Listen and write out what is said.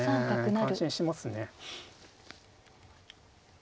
感心しますね。